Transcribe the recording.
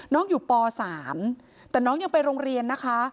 น้องอยู่ป๓แต่น้องยังไปโรงเรียนนะคะ